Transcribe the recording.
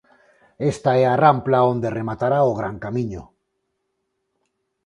Esta é a rampla onde rematará o Gran Camiño.